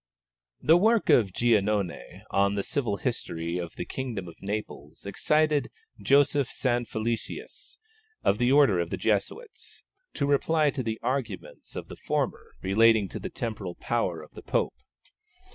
The work of Giannone on the civil history of the kingdom of Naples excited Joseph Sanfelicius, of the order of the Jesuits, to reply to the arguments of the former relating to the temporal power of the Pope.